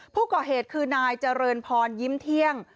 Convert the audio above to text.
ผู้ก่อเหตุคือนายเจริญพรยิ้มเที่ยง